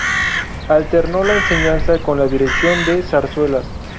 Alternó la enseñanza con la dirección de zarzuelas.